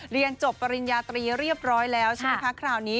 เรียนจบปริญญาตรีเรียบร้อยแล้วใช่ไหมคะคราวนี้